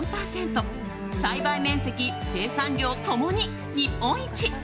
栽培面積、生産量共に日本一。